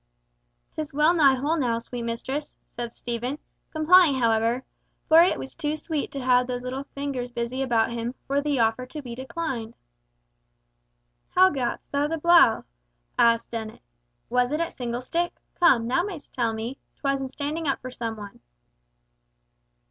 "'Tis well nigh whole now, sweet mistress," said Stephen, complying however, for it was too sweet to have those little fingers busy about him, for the offer to be declined. "How gatst thou the blow?" asked Dennet. "Was it at single stick? Come, thou mayst tell me. 'Twas in standing up for some one."